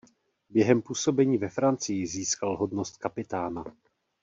Během působení ve Francii získal hodnost kapitána.